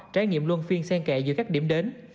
trải nghiệm luôn phiên sen kẹ giữa các điểm đến